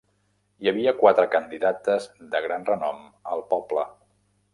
Hi havia quatre candidates de gran renom al poble.